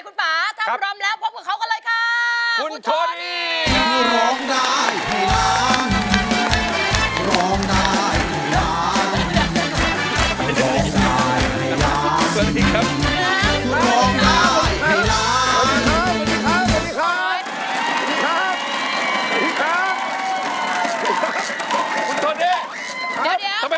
คุณป่าถ้าพร้อมแล้วพบกับเขากันเลยค่ะ